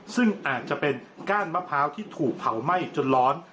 ซึ่งอาจจะเป็นก้านมะพร้าวที่ถูกเผาไหม้จนร้อน